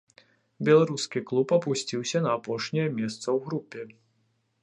Беларускі клуб апусціўся на апошняе месца ў групе.